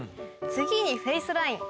次にフェイスライン。